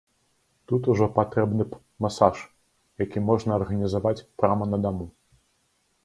Тут ужо патрэбны б масаж, які можна арганізаваць прама на даму.